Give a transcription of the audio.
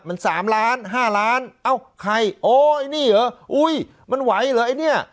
มัน๓ล้าน๕ล้านเอ้าใครโอ๊ยไอ้นี่เหรออุ้ยมันไหวเหรอไอ้เนี่ย